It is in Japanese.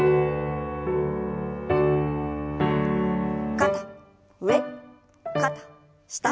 肩上肩下。